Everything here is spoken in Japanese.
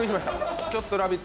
ちょっと「ラヴィット！」